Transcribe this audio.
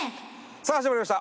さあ始まりました